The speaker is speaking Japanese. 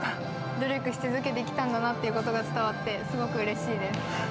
努力し続けてきたんだなということが伝わってすごくうれしいです。